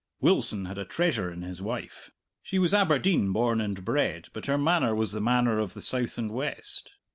Wilson had a treasure in his wife. She was Aberdeen born and bred, but her manner was the manner of the South and West.